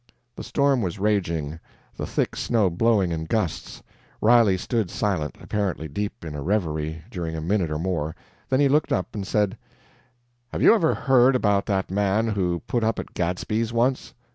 The storm was raging, the thick snow blowing in gusts. Riley stood silent, apparently deep in a reverie, during a minute or more, then he looked up and said: "Have you ever heard about that man who put up at Gadsby's, once?